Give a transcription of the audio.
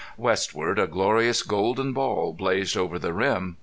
Westward a glorious golden ball blazed over the rim.